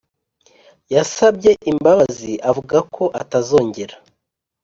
yasabye imbabazi avuga ko atazongera